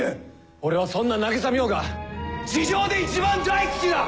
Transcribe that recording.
俺はそんな渚海音が地上で一番大好きだ！